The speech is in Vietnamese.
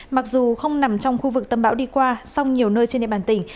mặc dù không nằm trong khu vực tâm bão đi qua song nhiều nơi trên địa bàn tỉnh